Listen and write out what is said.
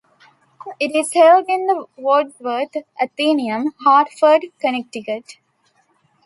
It is held in the Wadsworth Atheneum, Hartford, Connecticut.